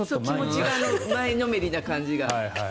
気持ちが前のめりな感じが。